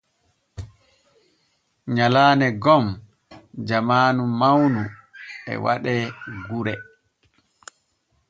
Nyalaane gom jamaanu mawnu e waɗe gure.